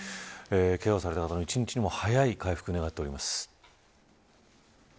けがをされた方の一日も早い回復を願っております。